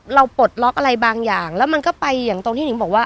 ปลดล็อกอะไรบางอย่างแล้วมันก็ไปอย่างตรงที่นิ่งบอกว่า